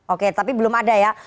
oke tapi belum ada ya